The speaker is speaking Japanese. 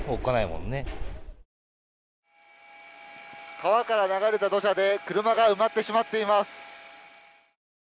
川から流れた土砂で車が埋まってしまっています。